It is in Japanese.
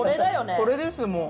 これですもう。